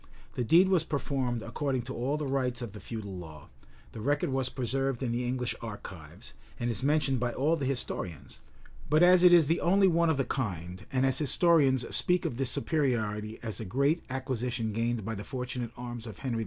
The deed was performed according to all the rites of the feudal law: the record was preserved in the English archives, and is mentioned by all the historians: but as it is the only one of the kind, and as historians speak of this superiority as a great acquisition gained by the fortunate arms of Henry II.